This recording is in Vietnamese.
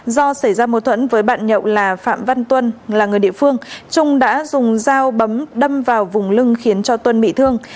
do xảy ra mâu thuẫn với bạn nhậu là phạm văn tuân là người địa phương trung đã dùng dao bấm đâm vào vùng lưng khiến cho tuân bị thương